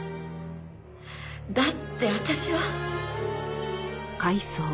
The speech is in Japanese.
だって私は。